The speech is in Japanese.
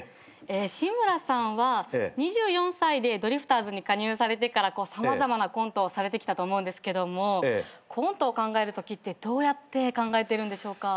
志村さんは２４歳でドリフターズに加入されてから様々なコントをされてきたと思うんですけどもコントを考えるときってどうやって考えてるんでしょうか？